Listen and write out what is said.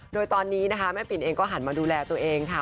โดยตอนนี้นะคะแม่ปิ่นเองก็หันมาดูแลตัวเองค่ะ